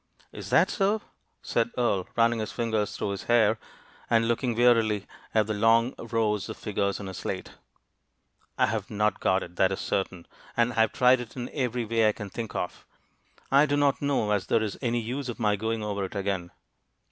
"Is that so?" said Earle, running his fingers through his hair, and looking wearily at the long rows of figures on his slate. "I have not got it, that is certain; and I have tried it in every way I can think of. I do not know as there is any use of my going over it again."